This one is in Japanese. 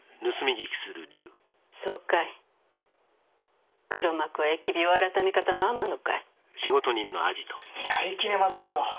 そうかい黒幕は疫病改方の天野かいやりきれませんよ